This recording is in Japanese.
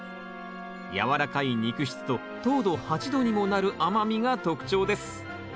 軟らかい肉質と糖度８度にもなる甘みが特徴です